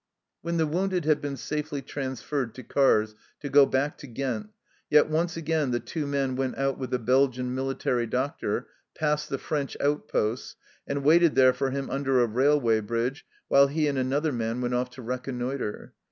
When the wounded had been safely transferred to cars to go back to Ghent, yet once again the two women went out with the Belgian military doctor, past the French outposts, and waited there for him under a railway bridge while he and another man went off to reconnoitre.